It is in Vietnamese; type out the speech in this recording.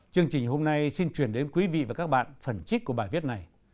chương trình hôm nay xin chuyển đến quý vị và các bạn phần trích của bài viết này